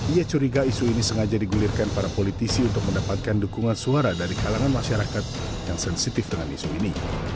ia curiga isu ini sengaja digulirkan para politisi untuk mendapatkan dukungan suara dari kalangan masyarakat yang sensitif dengan isu ini